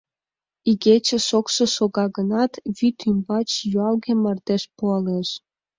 Игече шокшо шога гынат, вӱд умбач юалге мардеж пуалеш.